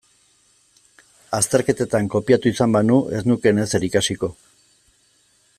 Azterketetan kopiatu izan banu ez nukeen ezer ikasiko.